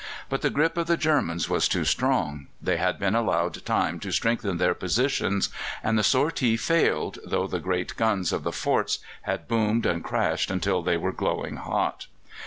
But the grip of the Germans was too strong. They had been allowed time to strengthen their positions, and the sortie failed, though the great guns of the forts had boomed and crashed until they were glowing hot.